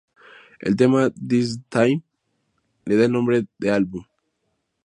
El tema "This Time" le da el nombre al álbum.